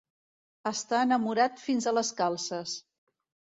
Estar enamorat fins a les calces.